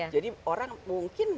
jadi orang mungkin